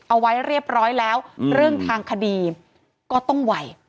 เอาไว้เรียบร้อยแล้วเรื่องทางคดีก็ต้องไว